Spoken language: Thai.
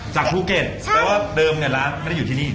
จากภูเก็ตแปลว่าเดิมเงินล้างไม่ได้อยู่ที่นี่